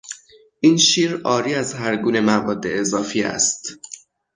این شیر عاری از هرگونه مواد اضافی است.